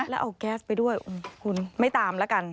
แล้วเอาแก๊สไปด้วยคุณไม่ตามแล้วกัน